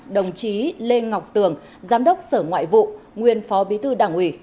đồng chí lê ngọc tường giám đốc sở ngoại vụ nguyên phó bí thư đảng ủy